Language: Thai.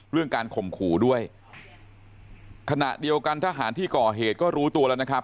การข่มขู่ด้วยขณะเดียวกันทหารที่ก่อเหตุก็รู้ตัวแล้วนะครับ